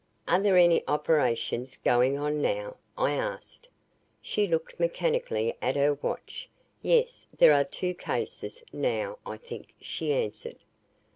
"Are there any operations going on now?" I asked. She looked mechanically at her watch. "Yes, there are two cases, now, I think," she answered.